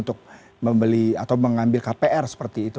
untuk membeli atau mengambil kpr seperti itu